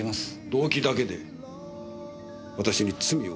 動機だけで私に罪を認めろと？